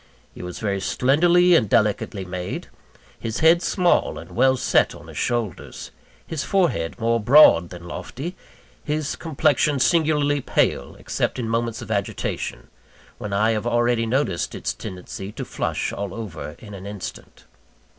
He was very slenderly and delicately made; his head small, and well set on his shoulders his forehead more broad than lofty his complexion singularly pale, except in moments of agitation, when I have already noticed its tendency to flush all over in an instant.